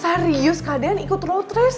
hah serius kak dean ikut road race